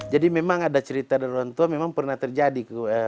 jadi memang ada cerita dari orang tua memang pernah terjadi